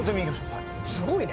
すごいね。